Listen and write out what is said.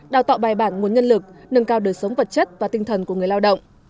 đào tạo bài bản nguồn nhân lực nâng cao đời sống vật chất và tinh thần của người lao động